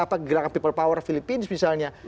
apa gerakan people power filipina misalnya